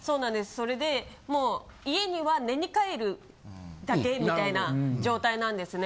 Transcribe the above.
それでもう家には寝に帰るだけみたいな状態なんですね。